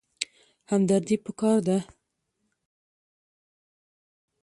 همدردي پکار ده